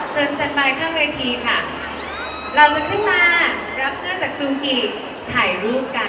กันไปข้างเวทีค่ะเราจะขึ้นมารับเสื้อจากจูงกิถ่ายรูปกัน